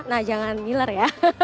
nah jangan miler ya